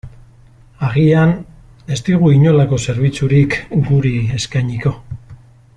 Agian, ez digu inolako zerbitzurik guri eskainiko.